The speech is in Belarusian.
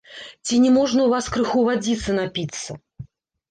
Ці не можна ў вас крыху вадзіцы напіцца?